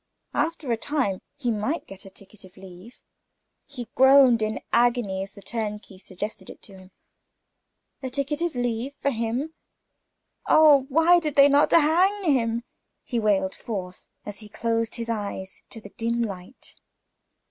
After a time he might get a ticket of leave. He groaned in agony as the turnkey suggested it to him. A ticket of leave for him! Oh, why did they not hang him? he wailed forth as he closed his eyes to the dim light.